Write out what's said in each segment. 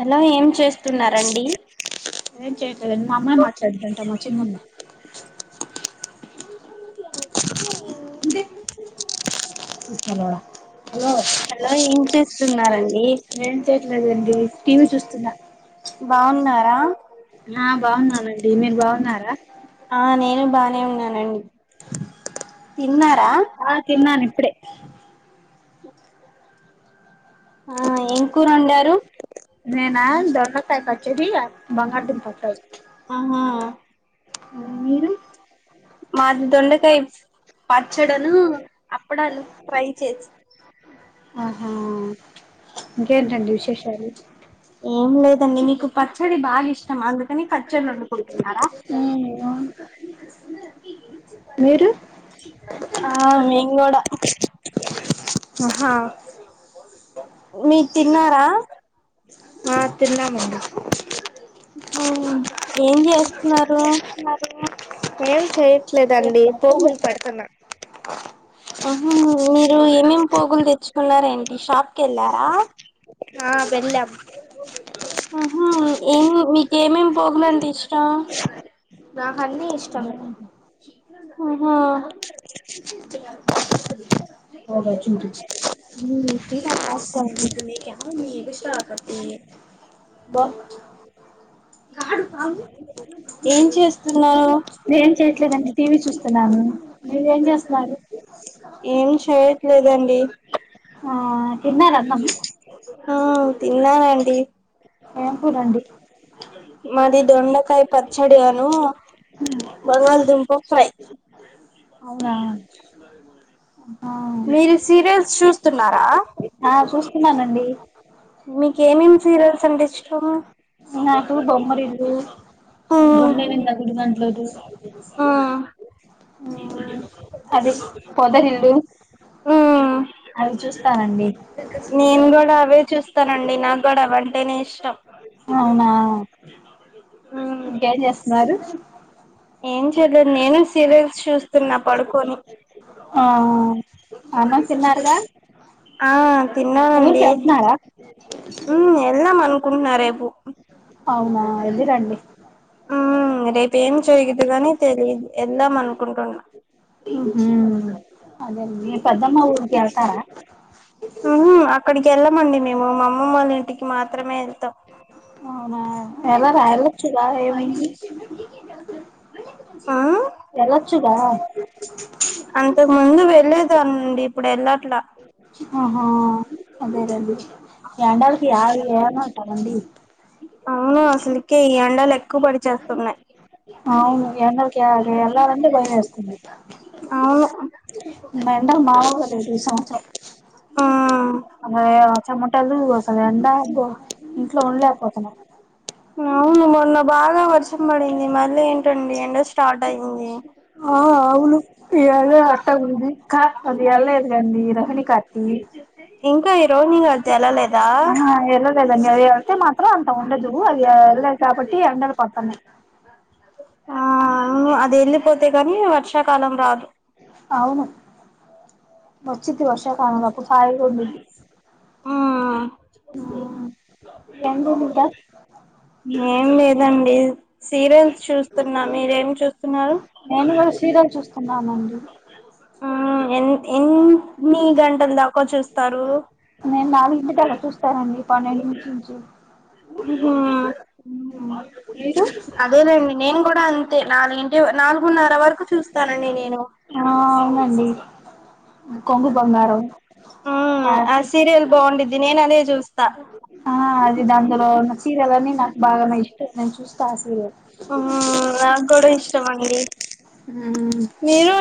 Hello ఏం చేస్తున్నరండి చి హలో ఏం చేస్తున్నరండి బాగున్నార ఆ నేను బాగున్ననండి మీరు బాగున్నార తిన్నారా ఆ తిన్నాను ఇప్పుడే ఆ ఏం కూర ఒండారు [unintelligible] మీరు మా [unintelligible] ఆహా ఇంకేంటి అండి విశేషాలు ఏం లేదండి మీకు పచ్చడి బాగ ఇష్టం అందుకని పచ్చలు వండుకుంటున్నారా అకా ఆ మేంగుడ ఆహా ఆ తిన్నాం అమ్మ ఏం చే లేదండి పోగులు పెడుతున్నా మీరు ఏమేమి పోగులు తెచ్చుకున్నార ఏంటి షాప్ కి వెళ్ళారా ఆ వెెళ్ళం మ్మ్ హ్మ్ ఏం మీకు ఏం ఏం పోగులంటే ఇష్టం ఆహా ర చు ఉమ్మ్ [inaudible] బట్ ఏం చేస్తున్నారు ఏం చేయట్లేదండి టీవీ చూస్తున్నాను మీరు ఏం చేస్తున్నారు ఏం చేయట్లేదుండి ఆ తిన్నారా అందరు ఏం పూలండి [inaudible] అవునా ఆ చూస్తున్నానండి నాకు బొమ్మరిల్లు గుండనింద గుడి గంటలు అదే పొదరిల్లు ఆ నేను కూడా అవే చూస్తానండి నాకు కూడా అవంటేనే ఇష్టం అవునా ఇంకేం చేస్తున్నారు న్న పడ ఆ అన్నం తిన్నారుగా ఆ తిన్నానండి మ్మ్ వెళ్దాం అనుకుంటున్నా రేపు అవునా ఆ రేపు ఏం చేయగదు కాని తె వెళ్దాం అనుకుంటున్నా [unintelligible] ఆహా అక్కడికి వెళ్ళామండి మేము మా అమ్మమ్మ వాళ్ళ ఇంటికి మాత్రమే వెళ్తాం అవునా ఎలారా వెళ్ళచుగా ఏం అయింది ఆ అంతకు ముందు వెళ్ళేదానిని ఇప్పుడు వె లాట్లా [inaudible] అవును అసలీకే ఈ ఎండాలు ఎక్కువ పడిచస్తున్నాయి ఎండలకి ఏ ఎటు అయినా వెళ్ళాలి అంటే భయ్యం వేస్తుంది ఎండలు మాములుగా లేదు ఈ సంవచరం అలా చమోటాలు అసలు ఎండా అబ్బో ఇంట్లో ఉండలేకపోతున్నం అవును మొన్న బాగా వర్షం పడింది మళ్ళీ ఏంటండి ఎండ స్టార్ట్ అయ్యింది ఆ అవును ఎద అట్ట ఉంది క అంది అది వెల్ల లేదుగా అండి రహినీ కాంతి ఆహా ఎలలేదు అండి ఆది వెళ్తే మాత్రం అంత ఉండదు ఆది వెళ్ళలేదు కబ్బటి ఎండలు పడుతున్నాయి ఆ అది వెళ్ళిపోతే కానీ వర్షాకాలం రాదు ఎప్పుడు వచ్చిదో వర్ష కాలం హాయి గా ఉంటది ఆ ఏం లేదండి సీరియల్స్ చూస్ స్తున్నా మీరేం చూస్తున్నారు ఆ ఎన్ ఎన్ న్ని గంటలు దాకా చూస్తారు నేను నాలుగింటికి అలా చూస్తానండి పన్నెండు నుంచి హు మీరు అదేలేండి నేను కూడా అంతే నాలుగు నాలుగిటి వైపు చూస్తాను నేను ఆ అవునండి కొంగు బంగారం [unintelligible] దాంట్లో ఉన్న చీరలను న్నీ నాకు బాగా ఇష్టం నేను చూస్తే ఆ సీరియల్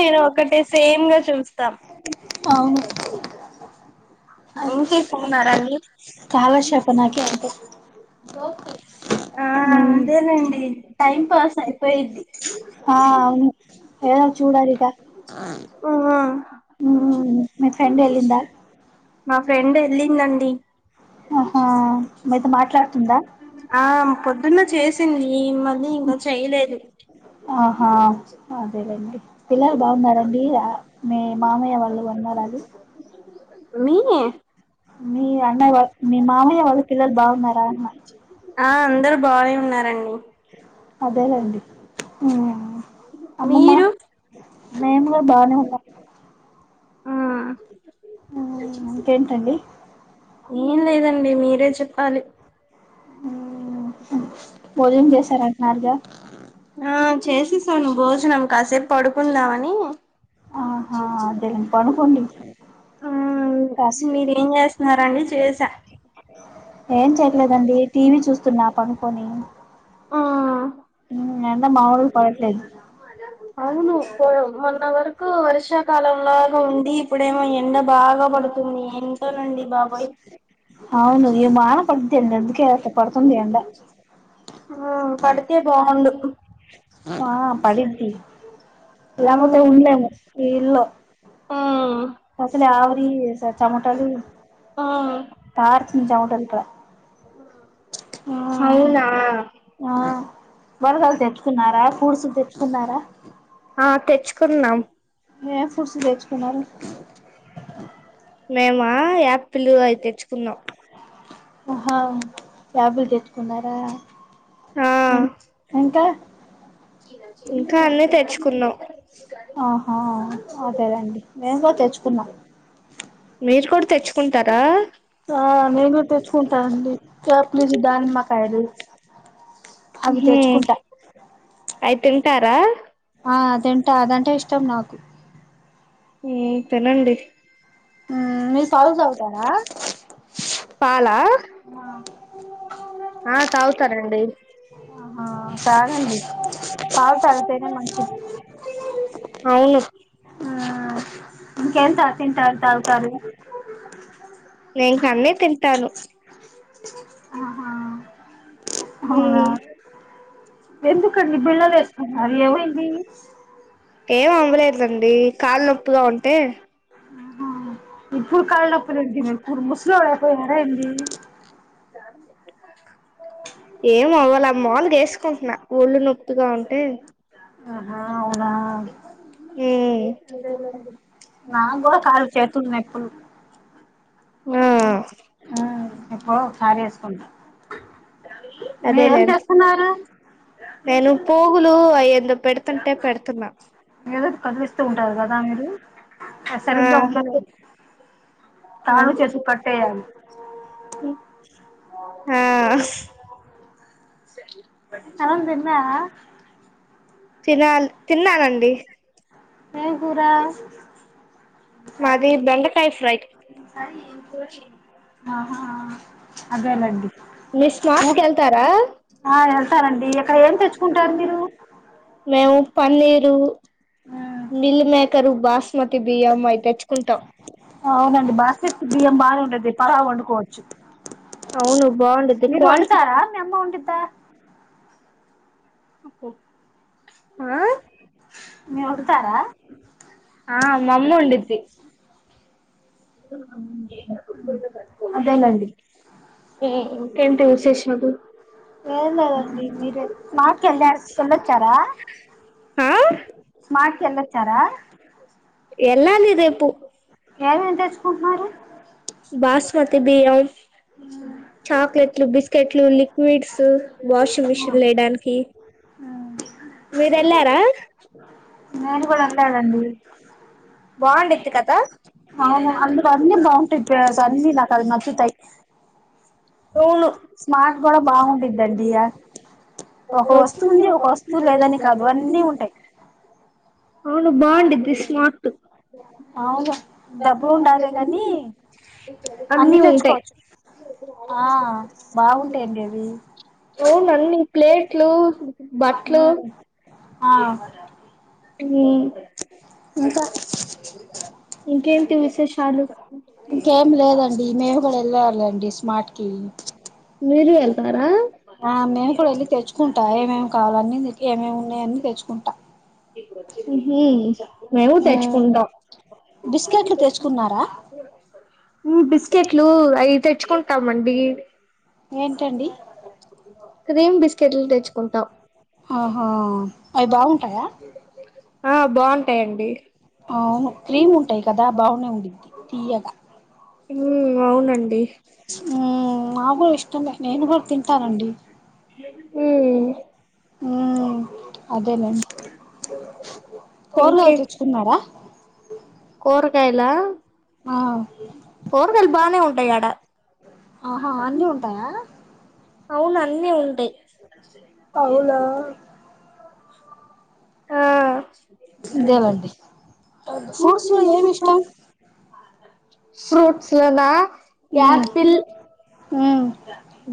ను [unintelligible] అవును ఏం చేస్తున్నరాండి ఆ అదేనండి ఆ అవును ఏదో చూడాలిగా హు మీ ఫ్రెండ్ ఎల్లింద మా ఫ్రెండ్ ఏళ్ళిందండి ఆహా మీతో మాట్లాడుతుందా ఆ పొద్దున్న చేసింది మళ్ళీ ఇంకా చేయలేదు ఆహా అదే పిల్లలు బాగున్నారండి ఆ మీ మామయ్య వాళ్ళు ఉన్నారా అండి మీ అం మీ మామయ్య వాళ్ళ పిల్లలు బాగున్నారా అన్నా అదేలేండి హు అమ్మమ్మా మేము గూడా బానే ఉన్నాం ఆ హు ఇంకేంటండి ఏం లేదండి మీరే చెప్పాలి ఉహ్ భోజం చేసారంటున్నారుగా చేసేసాను భోజనం కాసేపు పడుకుందామని [inaudible] ఆహ్ మీరేం చేస్తున్నారని చేసా ఏం చేయట్లేదండి టీవీ చూస్తున్నా పడుకొని అవును పోయా మొన్న వరక్ కు వర్షాకాలం లాగా ఉండి ఇప్పుడేమో ఎండ బాగా పడుతుంది ఎం నండి బాబోయ్ అవును ఇ మాన పడుద్ది అండి అందుకే అట్లా పడుతుంది ఎండా ఆ పడితే బాగుండు ఆ పడిద్ది లేపోతే ఉండలేము ఈ ఇల్లో ఆ అసలే ఆవురి సమటలు తర్చూ చెమటంతా అవునా ఆ వరదలు తెచ్చుకున్నారా ఫ్రూట్స్ తెచ్చుకున్నారా ఆ తెచ్చుకున్నాం ఏం ఫ్రూట్స్ తెచ్చుకున్నారు మేమా యాపిల్ అయి తెచ్చుకున్నాం. ఆహా యాపిల్ తెచ్చుకున్నారా. ఇం ఇంకా ఆహా అదేలేండి. మేం తెచ్చుకున్నాం. మీరు కూడా తెచ్చుకుంటారా? ఆ మేము కూడ తెచ్చుకుంటానండి యాపిల్, దానిమ్మ కాయలు. హ్ అయి తింటారా? హ్ తినండి. పాలా ఆ తాగుతారండి. ఆ తాగండి. పాలు తాగితేనే మంచిది. ఇంకెంత తింటారు, తాగుతారు. నేను ఇంకా అన్నీ తింటాను. ఆహా అవునా ఎందుకండీ పిల్లల్ని [unintelligible] ఏం అవ్వలేదండి కాలు నొప్పుగా ఉంటే. ఆహా ఇప్పుడు కాళ్ల నొప్పులు ఎంది. ఇప్పుడు ముసలోళ్ళు అయిపోయారా ఏంది. టీవీ సౌండ్ ఏమవ్వళా మాములుగా ఏసుకుంటున్నా ఒళ్ళు నొప్పిగా ఉంటే. నాకు ఏం అర్థం [inaudible] ఏయ్ నా కూడా [inaudible] ఆ ఎప్పుడో ఒకసారి ఎసుకుంటా. అదేలే నేను పోగులు అయ్యేందో పెడుతుంటే పెడుతున్నా. ఏదోటి కదిలిస్తూ ఉంటారు కదా మీరు, సరిగ్గా ఉండలేరు. కాళ్లు చేతులు కట్టేయాలి. హ అన్నం తిన్నావా? తినాలి, తిన్నానండి. ఏం కూర? మాది బెండకాయ ఫ్రై. ఈసారి [inaudible] ఆహా అదేనండి. ఆ ఎళ్తానండి. అక్కడ ఏం తెచ్చుకుంటారు మీరు? మేము పన్నీరు, మిల్ మేకర్, బాస్మతి బియ్యం అయి తెచ్చుకుంటాం. అవును బావుండుద్ది క్వాలిటీ. ఆ ఆ మమ్మీ వండిద్ది. అదేలేండి. ఉ ఇంకేంటి విశేషాలు. ఏం లేదండి మీరు మార్కెట్ కు వెళ్లొచ్చారా స్మార్ట్ కు వెళ్లొచ్చారా వెళ్లాలి రేపు అన్నారు బాస్మతి బియ్యం చాక్లెట్లు బిస్కెట్లు లిక్విడ్స్ వాషింగ్ మిషన్ లో వెయ్యడానికి మీరెళ్ళారా బస్సు సౌండ్ అవును అందులో అన్ని బాగుంటాయి ప్లస్ అన్నీ నాకు అవి నచ్చుతాయి స్మార్ట్ కూడా బావుండిద్దండి ఇగ ఒక వస్తువు ఉంది ఒక వస్తువు లేదని కాదు అన్నీ ఉంటాయి అవును బావుండిద్ది స్మార్ట్ అవును డబ్బులు ఉండాలే కానీ అన్ని తెచ్చుకోవచ్చు ఆ బాగుంటాయండి అవి అవును అన్నీ ప్లేట్లు బట్టలు ఆ హ్మ్ ఇంకేంటి విశేషాలు ఇంకేం లేదండి మేము కూడా వెళ్ళేవాళమండి స్మార్ట్ కి ఆ నేను కూడా వెళ్ళి తెచ్చుకుంటా ఏమేమి కావాలి ఏమేమి ఉన్నాయ అన్ని తెచ్చుకుంటా కుంటా ఊ హు మేము తెచ్చుకుంటాం బిస్కెట్లు అవి తెచ్చుకుంటాం అండి అండి ఆహా అయి బాగుంటాయా ఆ బావుటాయండి అవును క్రీమ్ ఉంటాయి కదా బాగునే ఉండిద్ది తీయగా హ్మ్ అవునండి హ్మ్ నాకు ఇష్టంలే నేను కూడా తింటానండి హ్మ్ అదేనండి కూరగాయలు తెచ్చుకున్నారా కూరగాయలా కూరగాయలు బానే ఉంటయి ఆడ ఆహా అన్ని ఉంటాయా అవునా ఆ ఇదేనండి ఫ్రూట్స్ లో ఏమి ఇష్టం ఫ్రూట్స్ లోన యాపిల్ హ్మ్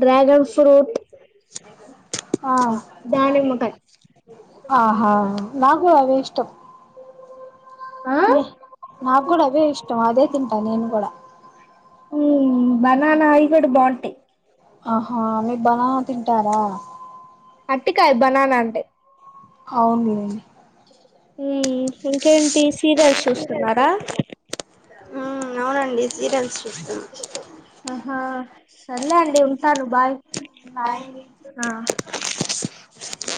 డ్రాగన్ ఫ్రూట్ ఆ ఆహా నా కూడా అదే ఇష్టం నాకు కూడా అవే ఇష్టం అదే తింటా నేను కూడా హ్మ్ బనానా అయి గూడ బావుంటాయి ఆహా మీరు బనానా తింటారా అట్టికాయ్ బనానా అంటే అవునులేండి ఊ ఇంకేంటి సీరియల్స్ చూస్తున్నారా? అవునండి ఆహా! సర్ సర్లే అండి ఉంటాను బాయ్ బాయ్ అండి ఆ మ